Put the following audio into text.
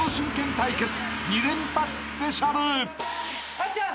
あっちゃん